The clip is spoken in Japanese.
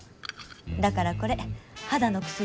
だからこれ肌の薬。